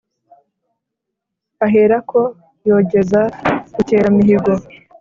ahera ko yogeza rukeramihigo;